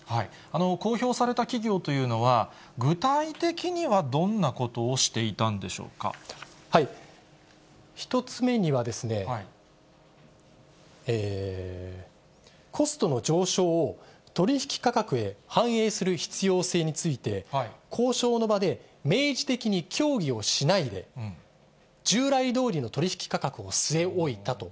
公表された企業というのは、具体的にはどんなことをしていた１つ目には、コストの上昇を取り引き価格へ反映する必要性について、交渉の場で明示的に協議をしないで、従来どおりの取り引き価格を据え置いたと。